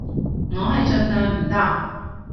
我係盡量唔搭